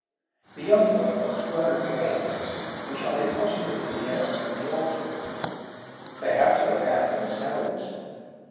"The young worms grow from eggs, which are deposited in the earth in the autumn. They have to look out for themselves.